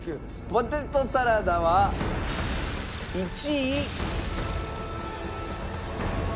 ポテトサラダは１位。